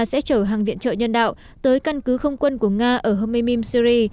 sẽ chở hàng viện trợ nhân đạo tới căn cứ không quân của nga ở hmeym syri